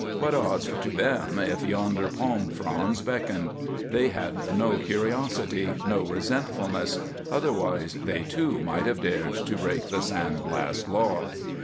What odds to them if yonder palm fronds beckoned? They had no curiosity, no resentfulness; otherwise they, too, might have dared to break the San Blas law.